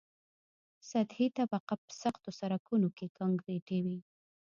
سطحي طبقه په سختو سرکونو کې کانکریټي وي